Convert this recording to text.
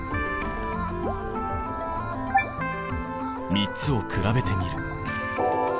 ３つを比べてみる。